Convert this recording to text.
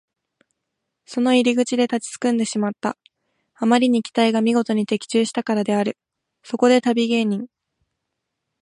その入り口で立ちすくんでしまった。あまりに期待がみごとに的中したからである。そこで旅芸人